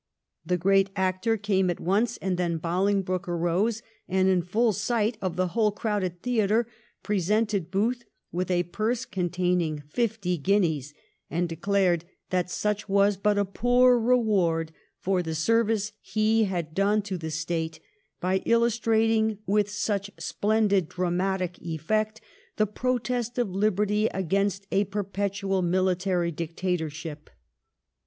The great actor came at once, and then Bolingbroke arose, and in full sight of the whole crowded theatre, presented Booth with a purse con taining fifty guineas and declared that such was but a poor reward for the service he had done to the State by illustrating with such splendid dramatic effect the protest of liberty against a perpetual military dictator ship.